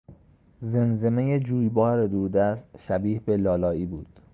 زمزمهی جویبار دور دست شبیه به لالایی بود.